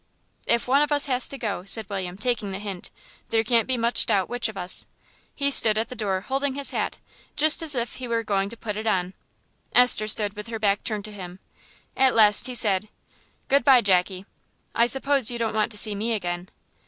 "If one of us has to go," said William, taking the hint, "there can't be much doubt which of us." He stood at the door holding his hat, just as if he were going to put it on. Esther stood with her back turned to him. At last he said "Good bye, Jackie. I suppose you don't want to see me again?"